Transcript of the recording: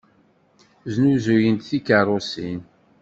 Snuzuyent tikeṛṛusin.